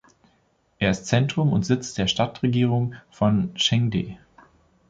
Er ist Zentrum und Sitz der Stadtregierung von Chengde.